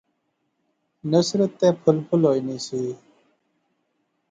نصرت تے پُھل پُھل ہوئی نی سی